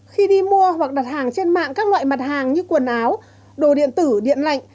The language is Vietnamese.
khi đi mua hoặc đặt hàng trên mạng các loại mặt hàng như quần áo đồ điện tử điện lạnh